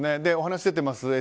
お話出ています